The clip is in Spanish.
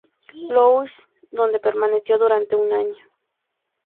Louis, donde permaneció durante un año.